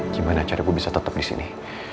gimana cara gue bisa tetap disini